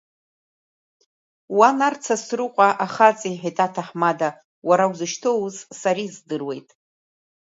Уа, Нарҭ Сасрыҟәа ахаҵа, — иҳәеит аҭаҳмада, уара узышьҭоу аус сара издыруеит.